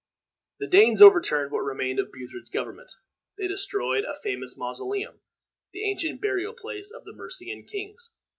The Danes overturned what remained of Buthred's government. They destroyed a famous mausoleum, the ancient burial place of the Mercian kings.